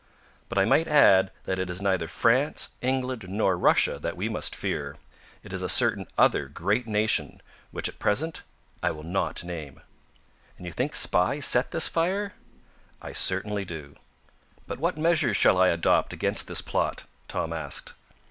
"But I might add that it is neither France, England, nor Russia that we must fear. It is a certain other great nation, which at present I will not name." "And you think spies set this fire?" "I certainly do." "But what measures shall I adopt against this plot?" Tom asked.